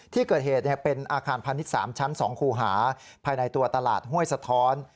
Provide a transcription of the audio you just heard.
ที่เกิดเหตุเป็นอาคารพาณิชย์๓ชั้น๒คู่หาภายในตัวตลาดห้วยสะท้อน